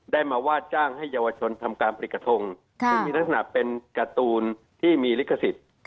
ได้มาว่าจ้างให้เยาวชนทำการผลิตกระทงซึ่งมีลักษณะเป็นการ์ตูนที่มีลิขสิทธิ์